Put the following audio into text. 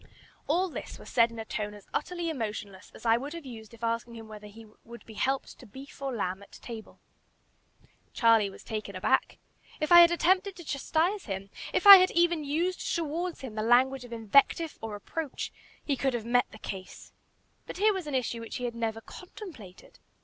All this was said in a tone as utterly emotionless as I would have used if asking him whether he would be helped to beef or lamb at table. Charlie was taken aback. If I had attempted to chastise him, if I had even used towards him the language of invective or reproach, he could have met the case. But here was an issue which he had never contemplated.